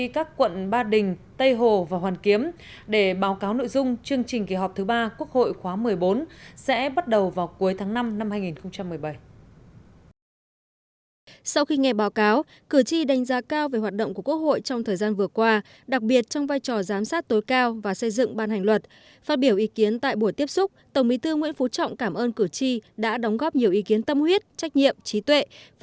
các bạn hãy đăng ký kênh để ủng hộ kênh của chúng mình nhé